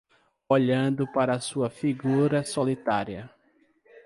Olhando para sua figura solitária